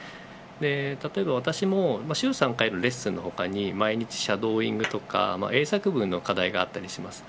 例えば私も週３回のレッスンの他に毎日、シャドーイングとか英作文の課題があったりします。